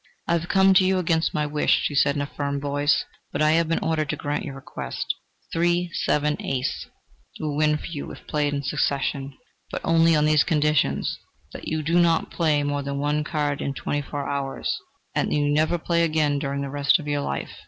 "I have come to you against my wish," she said in a firm voice: "but I have been ordered to grant your request. Three, seven, ace, will win for you if played in succession, but only on these conditions: that you do not play more than one card in twenty four hours, and that you never play again during the rest of your life.